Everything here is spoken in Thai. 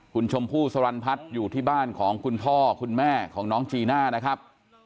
คุณชมพู่สรรพัฒน์อยู่ที่บ้านของคุณพ่อคุณแม่ของน้องจีน่านะครับ